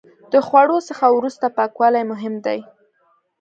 د خوړو څخه وروسته پاکوالی مهم دی.